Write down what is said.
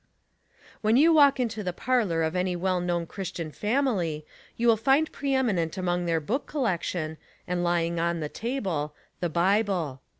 ! When you walk into the parlor of any well known Christian family you will find pre eminent among their book collection, and lying on the table, the Bible.